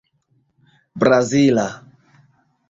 brazila